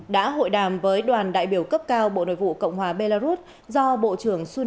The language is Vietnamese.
đã hội đàm với đoàn đại biểu cấp cao bộ nội vụ cộng hòa belarus